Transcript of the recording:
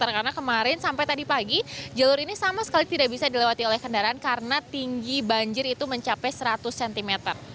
karena kemarin sampai tadi pagi jalur ini sama sekali tidak bisa dilewati oleh kendaraan karena tinggi banjir itu mencapai seratus cm